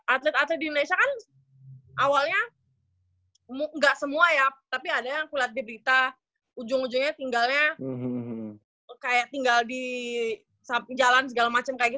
atlet atlet di indonesia kan awalnya nggak semua ya tapi ada yang ngeliat di berita ujung ujungnya tinggalnya kayak tinggal di samping jalan segala macam kayak gitu